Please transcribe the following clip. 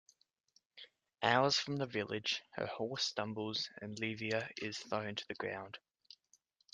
Hours from the village her horse stumbles and Livia is thrown to the ground.